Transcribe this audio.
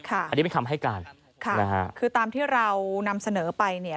อันนี้เป็นคำให้การค่ะนะฮะคือตามที่เรานำเสนอไปเนี่ย